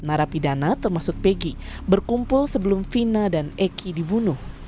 narapidana termasuk pegi berkumpul sebelum fina dan eki dibunuh